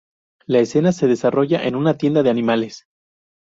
La escena se desarrolla en una tienda de animales.